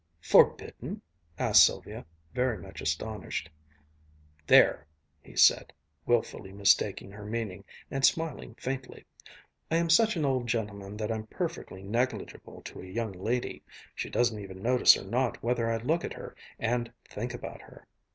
"Forbidden?" asked Sylvia, very much astonished. "There!" he said, wilfully mistaking her meaning, and smiling faintly, "I am such an old gentleman that I'm perfectly negligible to a young lady. She doesn't even notice or not whether I look at her, and think about her."